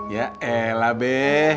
ya elah be